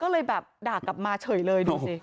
ก็เลยแบบด่ากลับมาเฉยเลยดูสิ